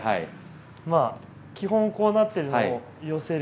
まあ基本こうなってるのを寄せる。